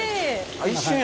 一瞬や。